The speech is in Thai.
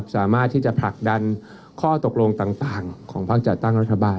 สามารถที่จะผลักดันข้อตกลงต่างของพักจัดตั้งรัฐบาล